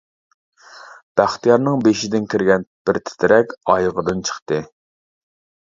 بەختىيارنىڭ بېشىدىن كىرگەن بىر تىترەك ئايىغىدىن چىقتى.